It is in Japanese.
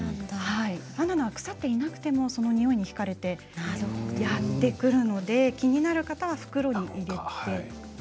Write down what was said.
バナナは腐っていなくてもそのにおいにひかれてやってくるので気になる方は袋などに入れてください。